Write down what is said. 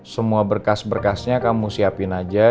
semua berkas berkasnya kamu siapin aja